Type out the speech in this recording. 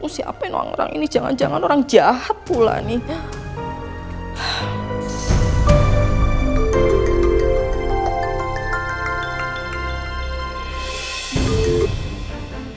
siapain orang ini jangan jangan orang jahat pula nih